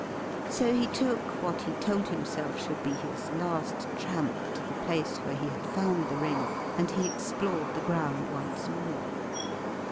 So he took what he told himself should be his last tramp to the place where he had found the ring, and he explored the ground once more.